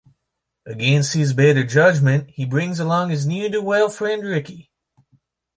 Against his better judgment, he brings along his ne'er-do-well friend Ricky.